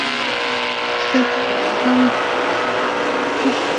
টুইটারে ট্রাম্প দাবি করলেন, হিলারি নন, তিনিই মোট ভোটের হিসাবে জিতেছেন।